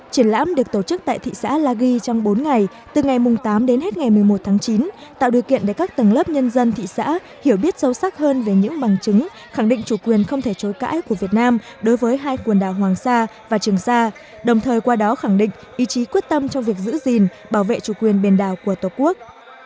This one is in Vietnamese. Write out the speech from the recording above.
triển lãm được tổ chức tại thị xã la ghi trong bốn ngày từ ngày tám đến hết ngày một mươi một tháng chín tạo điều kiện để các tầng lớp nhân dân thị xã hiểu biết sâu sắc hơn về những bằng chứng khẳng định chủ quyền không thể chối cãi của việt nam đối với hai quần đảo hoàng sa và trường sa đồng thời qua đó khẳng định ý chí quyết tâm trong việc giữ gìn bảo vệ chủ quyền biển đảo của tổ quốc